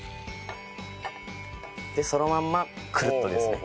そのまんまくるっとですね。